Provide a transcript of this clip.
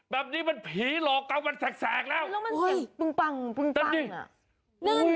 แบบนี้มันผีหลอกเกาะ๑๐๑แสบแล้ว